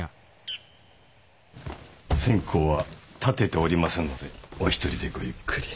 線香は立てておりませんのでお一人でごゆっくり。